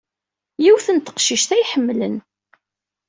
Yiwet n teqcict ay ḥemmlen.